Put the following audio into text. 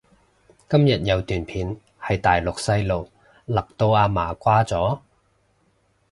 今日有段片係大陸細路勒到阿嫲瓜咗？